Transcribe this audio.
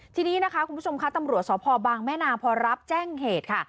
ทีนี้นะคะคุณผู้ชมค่ะตำรวจสพบางแม่นาพอรับแจ้งเหตุค่ะ